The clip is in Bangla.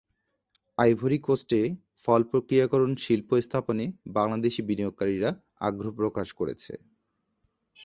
আইভরি কোস্টে ফল প্রক্রিয়াকরণ শিল্প স্থাপনে বাংলাদেশি বিনিয়োগকারীরা আগ্রহ প্রকাশ করেছে।